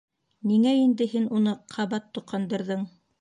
— Ниңә инде һин уны ҡабат тоҡандырҙың?